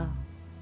si ikoh meninggal